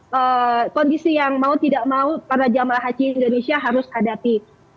jadi kondisi yang mau tidak mau para jemaah haji indonesia harus hadapi